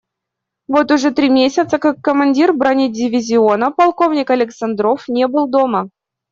Вот уже три месяца, как командир бронедивизиона полковник Александров не был дома.